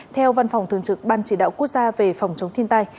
theo văn phòng thường trực ban chỉ đạo quốc gia về phòng chống thiên tai